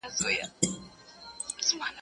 پخواني خلک شلغم پخاوه.